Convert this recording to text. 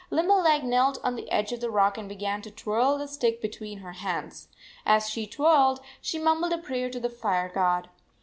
Limberleg knelt on the edge of the rock and began to twirl the stick be tween her hands. As she twirled, she mum bled a prayer to the fire god.